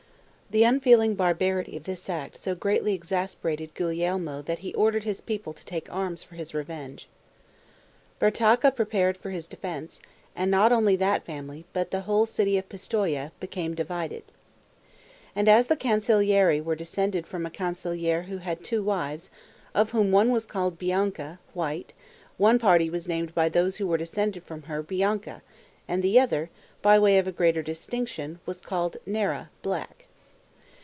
The unfeeling barbarity of this act so greatly exasperated Gulielmo that he ordered his people to take arms for his revenge. Bertacca prepared for his defense, and not only that family, but the whole city of Pistoia, became divided. And as the Cancellieri were descended from a Cancelliere who had had two wives, of whom one was called Bianca (white), one party was named by those who were descended from her BIANCA; and the other, by way of greater distinction, was called NERA (black).